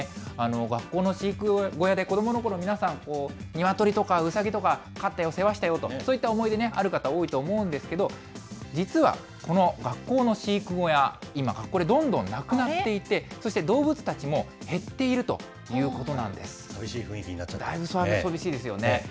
学校の飼育小屋で子どものころ皆さん、ニワトリとかウサギとか飼ったよ、世話したよという、そういった思い出、ある方多いと思うんですけど、実はこの学校の飼育小屋、今、学校でどんどんなくなっていて、そして動物たちも減っているとい寂しい雰囲気になっちゃいまだいぶ寂しいですよね。